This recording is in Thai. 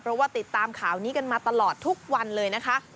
เพราะว่าติดตามข่าวนี้กันมาตลอดทุกวันเลยนะคะ